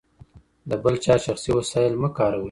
د بل چا شخصي وسایل مه کاروئ.